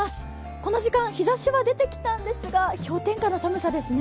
この時間、日ざしは出てきたんですが氷点下の寒さですね。